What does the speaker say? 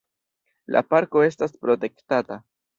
La parko estas protektata.